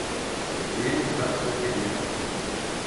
Wê behs nekiriye.